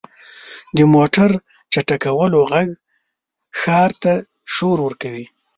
• د موټر چټکولو ږغ ښار ته شور ورکوي.